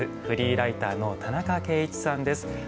フリーライターの田中慶一さんです。